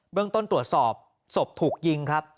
เรื่องต้นตรวจสอบศพถูกยิงครับ